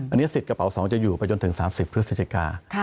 อันนี้สิทธิ์กระเป๋า๒จะอยู่ไปจนถึง๓๐พฤศจิกา